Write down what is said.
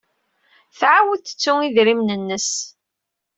Tɛawed tettu idrimen-nnes.